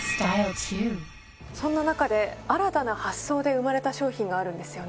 そんな中で新たな発想で生まれた商品があるんですよね？